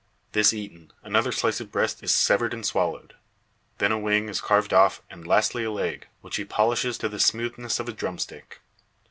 This eaten, another slice of breast is severed and swallowed. Then a wing is carved off, and lastly a leg, which he polishes to the smoothness of a drumstick.